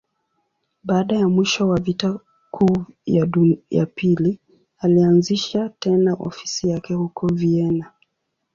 Baada ya mwisho wa Vita Kuu ya Pili, alianzisha tena ofisi yake huko Vienna.